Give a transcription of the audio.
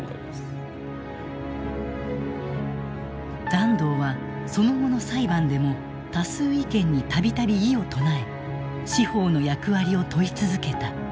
團藤はその後の裁判でも多数意見に度々異を唱え司法の役割を問い続けた。